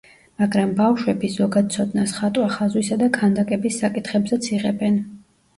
მაგრამ ბავშვები, ზოგად ცოდნას, ხატვა-ხაზვისა და ქანდაკების საკითხებზეც იღებენ.